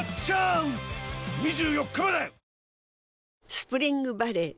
スプリングバレー